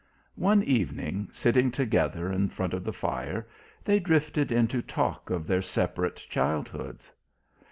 One evening, sitting together in front of the fire, they drifted into talk of their separate childhoods.